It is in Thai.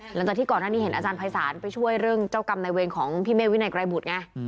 หลังจากที่ก่อนหน้านี้เห็นอาจารย์ภัยศาลไปช่วยเรื่องเจ้ากรรมในเวรของพี่เมฆวินัยไกรบุตรไง